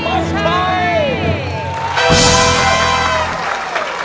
ไม่ใช่